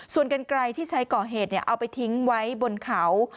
ส่วนกันไกลที่ใช้ก่อเหตุเอาไปทิ้งไว้บนเขา